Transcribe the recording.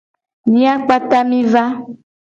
Mia kpata mi va.